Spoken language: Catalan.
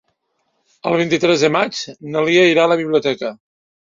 El vint-i-tres de maig na Lia irà a la biblioteca.